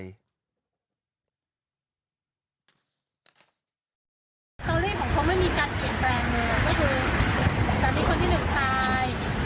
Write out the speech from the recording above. ลอตเตอรี่ของเขาไม่มีการเปลี่ยนแปลงเลยก็คือสามีคนที่หนึ่งตาย